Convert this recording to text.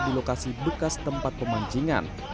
di lokasi bekas tempat pemancingan